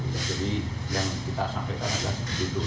jadi yang kita sampaikan adalah seperti itu